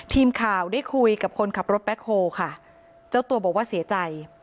ทีมข่าวได้คุยกับคนขับรถแบ็คโฮค่ะเจ้าตัวบอกว่าเสียใจ